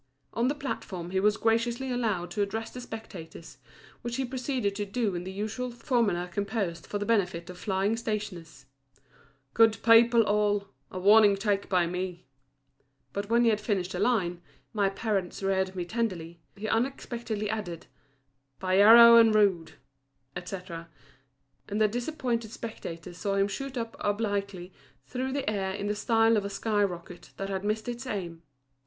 On the platform he was graciously allowed to address the spectators, which he proceeded to do in the usual formula composed for the benefit of flying stationers "Good people all, a warning take by me;" but when he had finished the line, "My parents reared me tenderly," he unexpectedly added "By yarrow and rue," etc., and the disappointed spectators saw him shoot up obliquely through the air in the style of a sky rocket that had missed its aim.